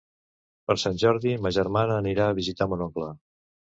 Per Sant Jordi ma germana anirà a visitar mon oncle.